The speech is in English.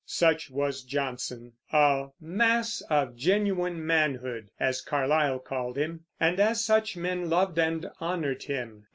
Such was Johnson, a "mass of genuine manhood," as Carlyle called him, and as such, men loved and honored him.